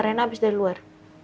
rena habis dari luar